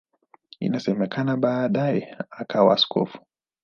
Inasemekana baadaye akawa askofu.